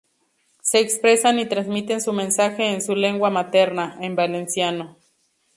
Se expresan y transmiten su mensaje en su lengua materna, en valenciano.